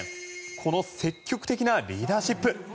この積極的なリーダーシップ。